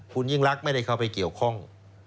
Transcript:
คุณยิ่งรักไม่ได้เข้าไปเกี่ยวข้อง